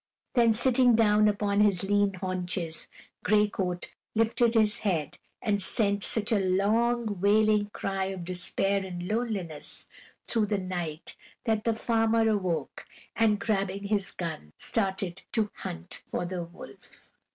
Then, sitting down upon his lean haunches, Gray Coat lifted his head and sent such a long, wailing cry of despair and loneliness through the night that the farmer awoke and, grabbing his gun, started to hunt for the wolf.